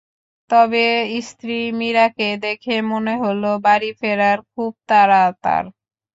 তবে স্ত্রী মিরাকে দেখে মনে হলো বাড়ি ফেরার খুব তাড়া তাঁর।